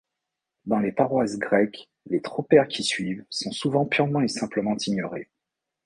Dans les paroisses grecques, les tropaires qui suivent sont souvent purement et simplement ignorés.